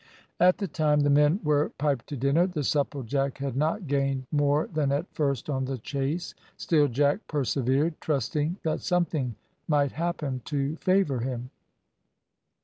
At the time the men were piped to dinner, the Supplejack had not gained more than at first on the chase. Still Jack persevered, trusting that something might happen to favour him.